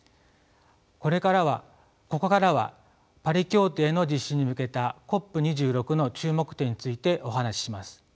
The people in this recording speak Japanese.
ここからはパリ協定の実施に向けたＣＯＰ２６の注目点についてお話しします。